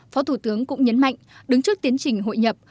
phó thủ tướng cũng nhấn mạnh đứng trước tiến trình hội nhập